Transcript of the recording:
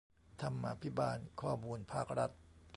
ธรรมาภิบาลข้อมูลภาครัฐ